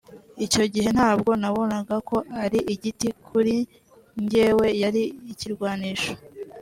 Icyo gihe ntabwo nabonaga ko ari igiti kuri njyewe yari ikirwanisho